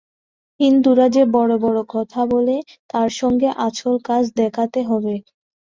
হিন্দুরা যে বড় বড় কথা বলে, তার সঙ্গে আসল কাজ দেখাতে হবে।